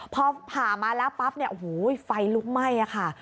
พอผ่ามาแล้วปั๊บฟ้าลุกไหม้ค่ะ